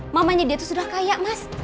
mamanya dia itu sudah kaya mas